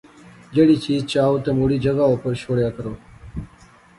جیہری چیز چاَئو تے موڑی جغہ اوپر شوڑیا کرو